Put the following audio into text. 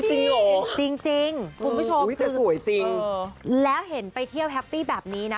จริงเหรอคุณผู้ชมคือแล้วเห็นไปเที่ยวแฮปปี้แบบนี้นะ